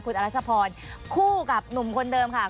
คุณอรัชพรคู่กับหนุ่มคนเดิมค่ะ